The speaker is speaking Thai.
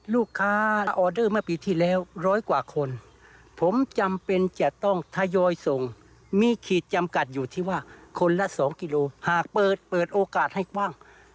ลูกค้าออเดอร์เมื่อปีที่แล้วร้อยกว่าคนผมจำเป็นจะต้องทยอยส่งมีขีดจำกัดอยู่ที่ว่าคนละ๒กิโลหากเปิดเปิดโอกาสให้กว้าง